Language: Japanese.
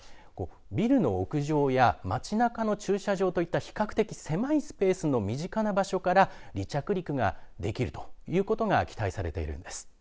ビルの屋上や街なかの駐車場といった比較的狭いスペースの身近な場所から離着陸ができるということが期待されているんです。